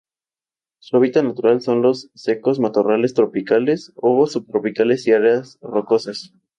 Su hábitat natural son los secos matorrales tropicales o subtropicales y áreas rocosas.